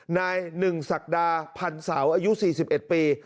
นายหนึ่งศักดาพันธ์เสาอายุ๔๑ปี